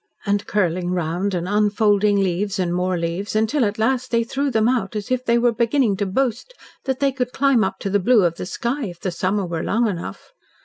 And curling round and unfolding leaves and more leaves, until at last they threw them out as if they were beginning to boast that they could climb up into the blue of the sky if the summer were long enough.